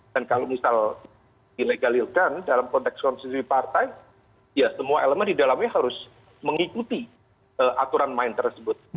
dan kalau misal dilegaliskan dalam konteks konstitusi partai ya semua elemen di dalamnya harus mengikuti aturan main tersebut